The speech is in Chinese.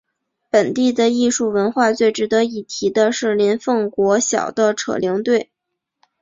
本地的艺术文化最值得一提的是林凤国小的扯铃队。